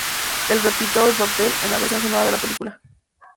Él repitió el papel en la versión sonora de la película.